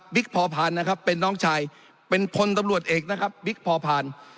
พอพานนะครับเป็นน้องชายเป็นพลตำรวจเอกนะครับบิ๊กพอพาน